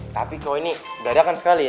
tapi kau ini gadakan sekali